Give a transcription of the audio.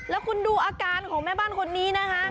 แล้วคุณดูอาการของแม่บ้านคนนี้นะคะ